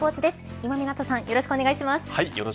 今湊さんよろしくお願いします。